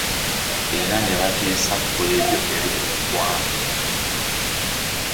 Era ne bateesa ku ebyo ebiri mu ggwanga.